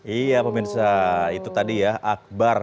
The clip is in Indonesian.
iya pemirsa itu tadi ya akbar